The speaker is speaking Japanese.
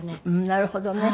なるほどね。